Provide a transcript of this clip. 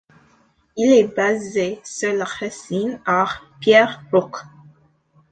Il est basé sur la racine arr- 'pierre, roc'.